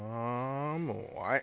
もうはい！